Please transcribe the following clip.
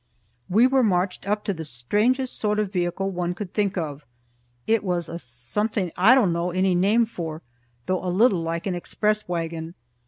We were marched up to the strangest sort of vehicle one could think of. It was a something I don't know any name for, though a little like an express wagon.